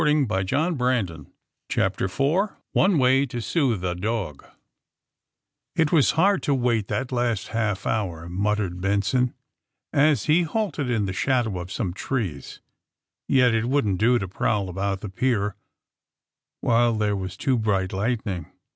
AND THE SMUGGLERS 55 CHAPTER IV ONE WAY TO SOOTHE A DOG "XT was hard to wait that last half hour," I muttered Benson, as he halted in the shadow of some trees. ^*Yet it wouldn't do to prowl about the pier while there was too bright lightning.